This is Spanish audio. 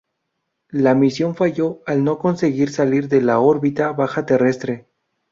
La misión falló al no conseguir salir de la órbita baja terrestre.